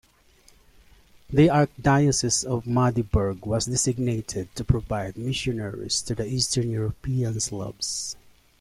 The Archdiocese of Magdeburg was designated to provide missionaries to the eastern European Slavs.